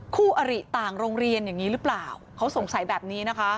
คู่อริต่างโรงเรียนอย่างนี้หรือเปล่าเขาสงสัยแบบนี้นะคะ